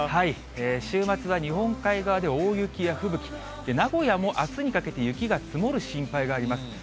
週末は日本海側で大雪や吹雪、名古屋もあすにかけて雪が積もる心配があります。